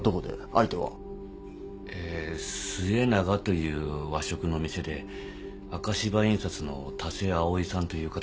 相手は？えすえながという和食の店でアカシバ印刷の田瀬葵さんという方です。